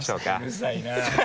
うるさいなぁ。